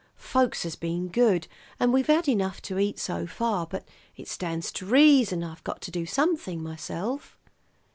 Folks has been good, and we've had enough to eat so far; but it stands to reason I've got to do something myself."